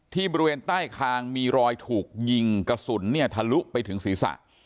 บริเวณใต้คางมีรอยถูกยิงกระสุนเนี่ยทะลุไปถึงศีรษะ